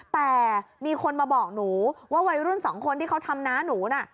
แต่มีคนมาบอกหนูว่าวัยรุ่นสองคนที่เขาทำน้าหนูน่ะ